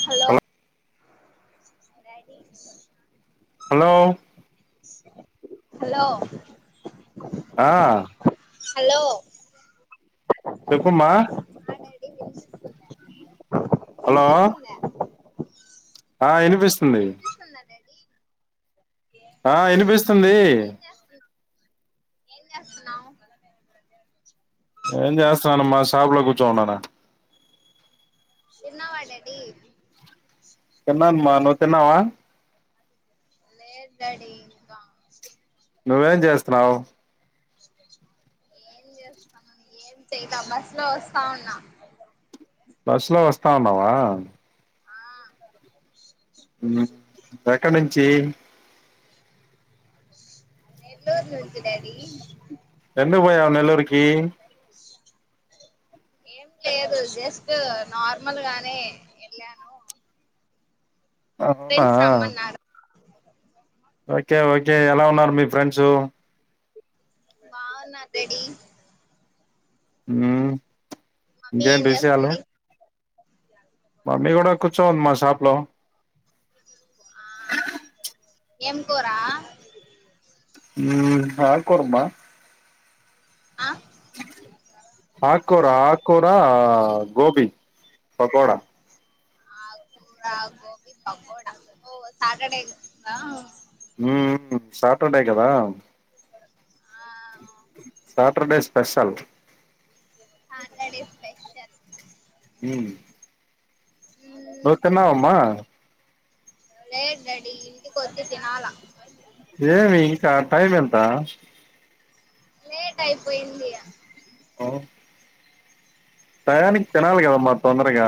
Hello daddy hello hello ఆ hello చెప్పమ్మా hello వినిపిస్తుందా ఆ ఇనిపిస్తుంది. వినిపిస్తుందా డాడీ ఆ ఏం ఇనిపిస్తుంది. చేస్తు ఏం చేస్తున్నావ్? ఏం చేస్తనమ్మా షాపులో కూర్చోన్నాను. తిన్నావ డాడీ? తిన్నాన్ మా నువ్ తిన్నావా? లేద్ డాడీ ఇంకా. నువ్వేం చేస్తున్నావ్? ఏం చేయల బస్లో వస్తా ఉన్నా బస్లో వస్తా ఉన్నావ ఆ ఎక్కడి నుంచి నెల్లూర్ నుంచి డాడీ ఎందుక్ పోయావ్ నెల్లూర్కి [inaudible] ఏం లేదు జస్ట్ నార్మల్ గానే వెళ్ళాను అహునా ఫ్రెండ్స్ రమ్మన్నారు ఓకె ఓకె ఎలా ఉన్నారు మీ ఫ్రెండ్సు బావున్నార్ డాడీ మ్ మమ్మీ ఏం చేస్తున్ది [inaudible] మమ్మీ కూడ కూర్చోనుంది మా షాప్ లో ఏం కూరా ఉమ్ ఆక్కూరబ్బా అ ఆక్కుర ఆక్కురా గోబి పకోడ ఆక్కుర గోబి పకోడ ఓ సాటర్డే కదా హూ ఉహ్ సాటర్డే కదా ఆ సాటర్డే స్పెషల్ సాటర్డె స్పెషల్ జెస్ హుమ్ ఒకెనా అమ్మా లేద్ డాడీ ఇంటి కొచ్చి తినాల ఏమి ఇంక టైమ్ ఎంత లేట్ అయిపోయిందిగా అవు టయానికి తినాలి కదా మా తొందరగ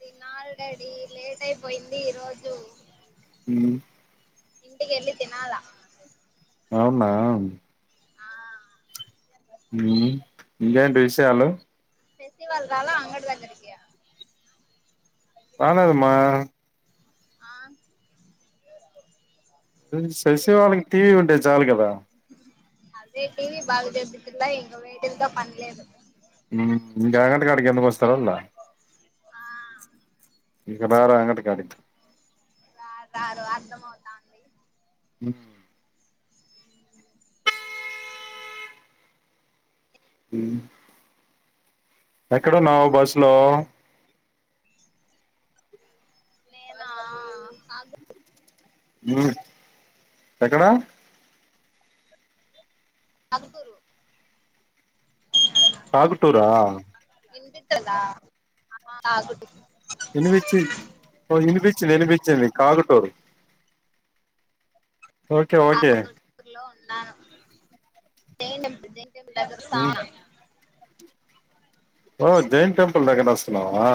తినాల్ డాడీ లేట్ అయిపోయింది ఈ రోజు [inaudible] ఇంటికెళ్ళి తినాల అవునా ఆ హుమ్ ఇంకేంటి విషయాలు ఫస్టివల్ రాాల అంగటి దగ్గరికి రాలేదమ్మా ఆ శశి ఇంక వాళ్ళకి టీవీ ఉంటే చాలు కదా అదె టీవి బాగా జే పితుల్ల ఇంగ వీటుల్తో పని లేదు ఇంక అంగటకాడికి ఎందుకు వస్తా రోల్ల ఆ రారు ఇంక రారు అంగటకాడి ఇక తర్వాత [unintelligible] అవుతాంది ఉహ్ హమ్ ఎక్కడున్నావ్ బస్ లో నేనా ఉమ్ ఎక్కడా అలుగుూరు అ ఆగుటూరా నింటిట్దా ఆ ఇని వచ్చి ఇపి నినిపించింది కాకటూరు ఓకే ఓకే జ గ స ఓ జైన్ టెంపల్ నగర నావా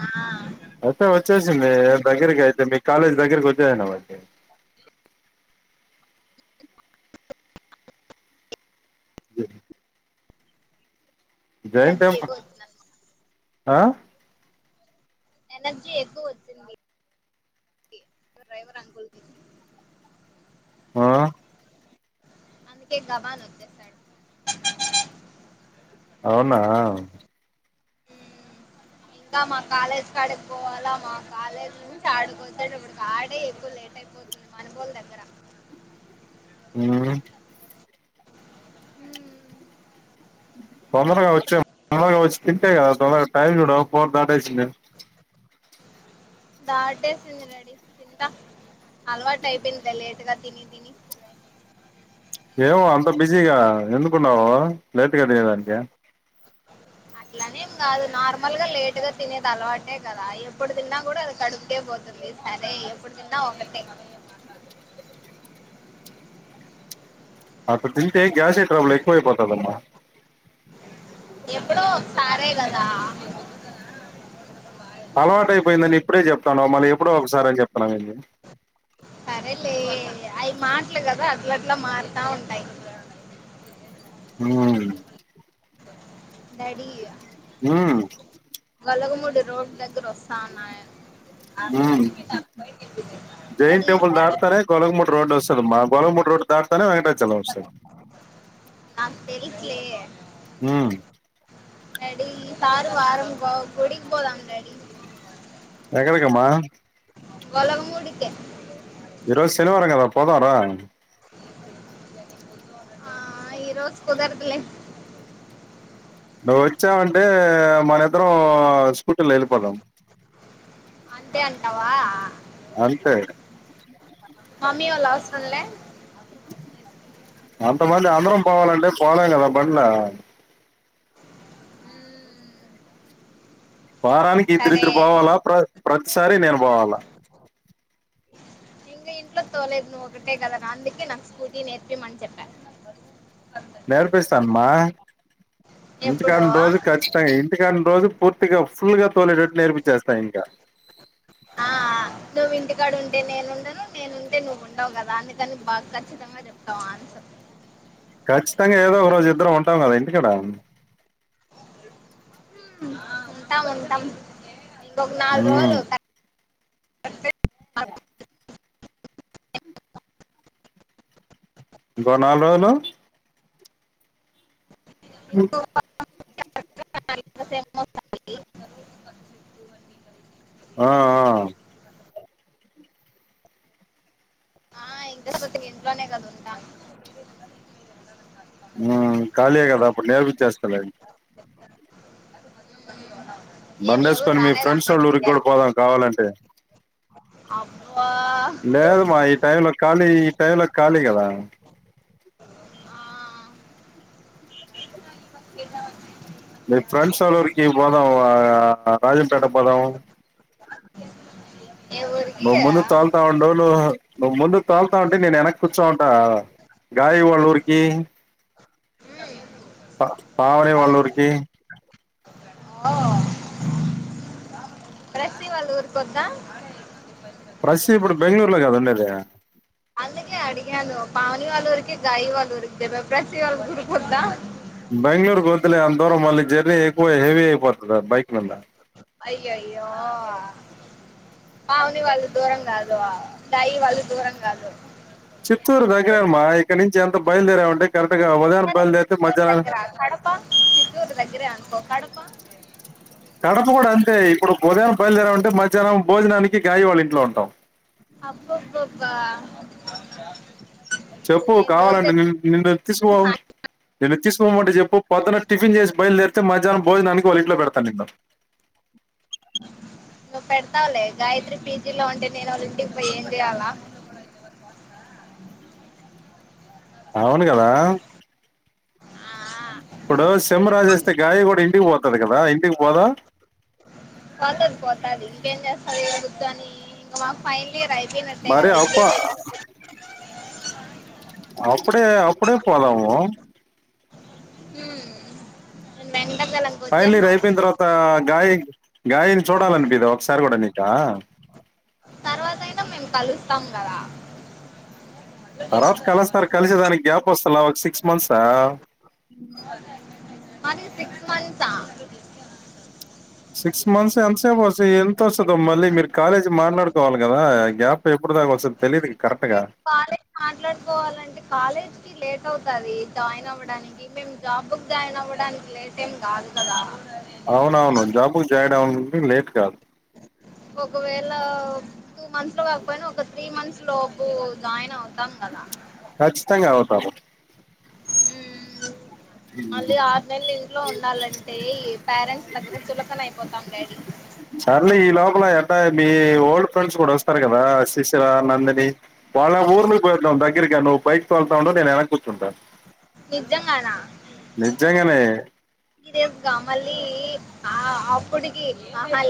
ఆ దగరకితే మీ కాలజ దగ్గరకుతేనా మా జ మగే టెంపుల్ గోతు న ఆ ఎనర్జీ ఎక్కువ వచ్చింది డ్రైవర్ అనుకుల్ ఆ అందుకే గబాన్ వచ్చేశాడు అవునా ఇంకా మా కాలేజ్కి ఆడికి పోవాలా మా కాలేజ్ నుంచి ఆడుక వచ్చే ఇప్పుడుకి ఆడ ఎక్కువ లేట్ అయిపోతుంది మనబోళ దగ్గర ఉమ్ హ తొందరగా వచ్చా తొందరగా వచ్చి తింటే కదా తొందరగా టైం చూడ బ దాదా చి దా డేస్న రెడి తింతా అల్వా టైబిందద లేట్గా తినదని ఏమో అంత బిజీగా ఎందుకున్నావు లేట్గా తియేదానికి అట్లానేం కాదు నార్మల్గా లేటుగా తినేది అలవాటే కదా ఎప్పుడు తిన్నా కూడా అది కడుపుటే పోతుంది సరే ఎప్పుడు తిన్నా ఒకటి అత తింతే గ్యాసే ప్రాబ్లమ్ ఎక్కువ అపోతుదమ్ ఎప్పుడో సారే గదా అలవాట అయిపోయిందండి ఇప్పుడే చెప్తాను మళ్ళీ ఎప్పుడో ఒకసారి అని చెప్తున్నామండి సరే లే అవి మాట్లే కదా అట్ల అట్లా మారుతా ఉంటాయి హ డాడీ ఉమ్ అలాగ మడి రోడ్ దగ్గర వస్తాన్నాయ ఉ జైన్ డాడీ టెంపుల్ ఈసారి దాటితానే గొలగముట్ రోడ్ వస్తుమ్మా గొలగముడు రోడ్డు దాటితారనే వె అ నాక్ తెలుస్ లే ఉ డడి ఈ సారు వారం గొ గుడిక్ బోదమ్ డడి ఎక్కడికమ్మా ఒల్లగ మూడీకి ఈ రోజు శనివారం కదా పోదా రా ఆ ఈ రోజు కుదర్దులే నువ్వు వచ్చినావ్ అంటే మనక్ ఇద్దరం స్కూటీ లో వెళ్ళిపోదాం అంతే అంటావా అంతే ఇక మమ్మీ వాళ్లు అవసరం లా అంతమందా అందరం పోవాలంటేం పోలేంగదా బండ్లో వారానికి సరే ఇద్దరిద్దరు పోవాలా ప్ర ప్రతిసారి నేను బోవాలా ఇంగ ఇంట్లో తోలేది నువ్వు ఒకటే కదా నా అందుకే నాకు స్కూటీ నేర్పిమని చెప్పా నేర్పిస్తాను మా ఇంటి కాడ ఎప్పుడో వున్నరోజు కురుస్తాయి ఇంటికాడ ఉన్న రోజు పూర్తిగా ఫుల్ గా తోలేటట్టు నేర్పించేస్తా ఇంకా ఆ నువ్వు ఇంటికాడ ఉంటే నేనుండను నేనుంటే నువ్వు ఉండవు కదా అందుకని బాగా ఖచ్చితంగా చెప్తావ్ ఆన్సర్ ఖచ్చితంగా ఏదో ఒక రోజు ఇద్దరం ఉంటాం కదా ఇంటికడ హూమ్ ఉంటాం ఉంటామ్ ఇంగొగ నాలుగు ఉమ్ రోజులు ఇంకో నాలుగు రోజులు అ [inaudible] ఆ ఆ ఆ ఇంటర్ అయిపోతే నేను ఇంట్లోనే కదా ఉం ఉంట ఆ కాలీఏ గదా అప్పుడు నేర్పిచ్చేస్తా [unintelligible] ఉ ఉ బండేసుకొని మీ ఫ్రెండ్స్ ఓళ్ళ ఊరికి గూడా పోదాం కావాలంటే అబ్ లేదు మా ఈ టై లో ఖాళీ ఈ టై లో ఖాళీ కదా ఆ మీ ఫ్రెండ్స్ ఓల్ల ఊరికి పోదాం ఆ రాజంపేట పోదాం ఏ ఊరికి మమ్మను తాల్ తా ఉండు నవ్వు నువ్వు ముందు తోల్తా అంటే నేను వెనక్ కూర్చోమంట గాయ వాళ్ళ ఊరికి పావని వాల్ల ఊరికి [unintelligible] ప్రెసీ వాళ్ల ఊరికి వద్ద ప్రసి ఇప్పుడు బెంగళూరులో కదా ఉండేది అందుగే అడిగాను పావని వాళ్ళురికి గాయి వాళ్ళు ఊరికి యేన ప్రసీ వాళ్ళ ఊరికాద బెంగళూర్కి గ వద్లే అంత దూరం మళ్ళ జర్నీ ఎక్కువ హెవీ అయిపోతది బైక్ మీద అయ్యో అయ్యో పావనివాళ్ళు దూరం కాదు గాయి వాళ్ళు దూరం కాదు చిత్తూరుదగ్గర మా ఇక్కన నుంచి అంత భయలు దేరం అంటే సరే చిత్తూరు దగ్గర కడప చిత్తూర్ దగ్గరే అనుకో కడప కడప కూడా అంతే ఇప్పుడు ఉదయాన బయలుదేరం అంటే మధ్యాహ్నం భోజనానికి గాయి వాళ్ళ ఇంట్లో ఉంటాం అబ్బబ్బా చెప్పు కావాలండి ని నిన్ను తీసుకోవు నేను తీసుకోమంటే చెప్పు పొద్దున టిఫిన్ చేసి బయలుదేరితే మధ్యాహ్నం భోజనానికి వాళ్ళ ఇట్లో పెడతాను నిన్న నువ్వు పెడతావలే గాయత్రి పీజీ లో ఉంటే నేను వాళ్ళుంటి పో ఏం చేయాలా అవును కదా ఆ ఇప్పుడు సేమ్ రాసి అస్తే గాయి కూడా ఇంటికి పోతాది కదా ఇంటికి పోదా పోతది పోతది ఇంకేం చేస్తదిద్దు అని ఇంకా మాకు ఫైనల్ ఇయర్ అయిపో మరి అప్ప అప్పుడే అప్పుడే పోదము హ్మ్. నేను వెంకటగలంకి ఫైనల్ వచ్చేసిన ఇయర్ అప్పుడే అయిపోయిన తర్వాత గాయి గాయినీ చూడాలనిపియదా ఒకసారి కూడా నీకా తర్వాత అయినా మేము కలుస్తాం కదా తర్వాత కలుస్తారు కలిసి దానికి గ్యాప్ వస్తున్నావ్ సిక్స్ మంత్ ఆ మరి సిక్స్ మంత్స్ ఆ సిక్స్ మంత్స్ ఎంతసేపు వ ఎంత వస్తుందో మళ్ళీ మీరు కాలేజీ మాట్లాడుకోవాలి కదా గ్యాప్ ఎప్పుడు దాకా వస్తాది తెలీదు కాలేజ్ మాట్లాడుకోవాలంటే కాలేజ్ లేట్ అవుతది జాయిన్ అవ్వడానికి మేము జాబ్కి జాయిన్ అవ్వడానికి లేట్ ఏం కాదు కదా అవునవును జాబు జాయిన్ అవ్వడానికి లేట్ కాదు ఒకవేళ టూ మంత్స్ లో కాకపోయినా ఒక త్రీ మంత్స్ లోపు జాయిన్ అవుతాం కదా ఖచ్చితంగా అవుతాము మ్మ్. మళ్ళీ ఆరు నెలలు ఇంట్లో ఉండాలం టే పేరెంట్స్ దగ్గర చులకన అయిపోతాం డాడీ చార్లే ఈ లోపల ఎలా మీ ఓల్డ్ ఫ్రెండ్స్ కూడా వస్తారు కదా శిష్యురా నందిని వాళ్ళ ఊరులు పోయివాదం దగ్గ దగ్గరిగా నువ్వు బైక్ తొత్త ఉండు నేను వెనకా కూర్చుంటాను నిజంగానా నిజంగానే సీరియస్ గా మళ్ళీ ఆ అప్పుడగి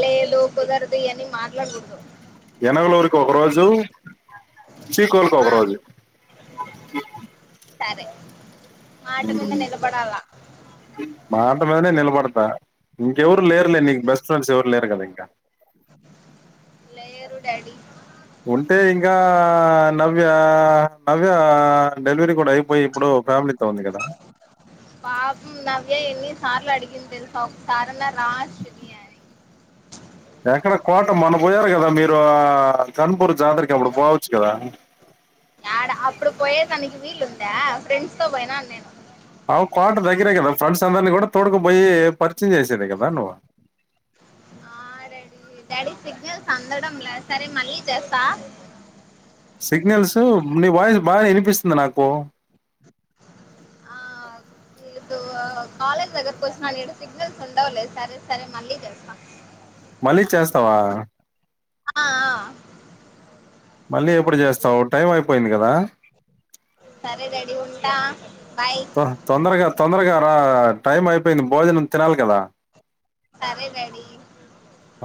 లేదు కుదరదు అని మాట్లాడకూడదు జనంలోకి ఒక రోజు చీ కోల్ ఆ ఒకరోజు బస్సు సౌండ్ సరే మాట ఉ మీద నిలబడాలా మాట మీదనే నిలబడతా ఇంకెవరు లేరులే నీకు బెస్ట్ ఫ్రెండ్స్ ఎవరు లేరు కదా ఇంకా డాడి ఉంటే ఇంకా నవ్య నవ్య డెలివరీ కూడా అయిపోయి ఇప్పుడు ఫ్యామిలీతో ఉంది కదా పాపం నవ్య ఎన్ని సార్లు అడిగిందో ఒక్కసారన్నా రా అశ్విని అని ఎక్కడ కోట మనపోయారు కదా మీరు పోయారు ధరంపూరికి జాతరకి అప్పుడు బావచ్చు కదా ఆడ అప్పుడు పోయే తనకి వీలుందా ఫ్రెండ్స్ తో పోయినా నేను అవును కోట దగ్గర కదా ఫ్రెండ్స్ దగ్గర కదా తోలుక పోయి చెప్పిందే చేసినావు కదా సందడం లే సరే మళ్ళీ చేస్తా సిగ్నల్స్ నీ వాయిస్ బాగా వినిపిస్తుంది నాకు ఆ ఇటు కాలేజ్ దగ్గరకు వచ్చిన నేడు సిగ్నల్స్ ఉండవులేదు సరే సరే మళ్ళీ చేస్తాం మళ్ళీ చేస్తావా ఆ ఆ మళ్ళీ ఎప్పుడు చేస్తావు టైం అయిపోయింది కదా సరే డాడీ ఉంటా బాయ్ తో తొందరగా తొందరగా రా టైం అయిపోయింది భోజనం తినాలి కదా సరే డాడీ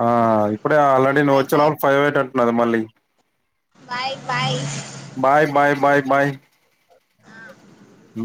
ఆ ఇప్పుడే ఆల్రెడీ ను బాయ్ వచ్చే బాయ్ వాళ్ళు ఫైవ్ ఎయిట్ అంటున్నాది మళ్ళీ bye bye bye bye bye bye ఉ